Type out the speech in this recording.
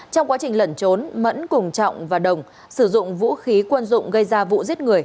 trong quá trình lẩn trốn mẫn cùng trọng và đồng sử dụng vũ khí quân dụng gây ra vụ giết người